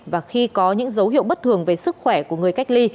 và khi có những dấu hiệu bất thường về sức khỏe của người cách ly